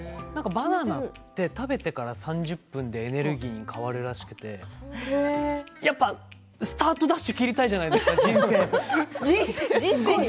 バナナは食べてから３０分でエネルギーに変わるらしくてやっぱりスタートダッシュを切りたいじゃないですか、人生で。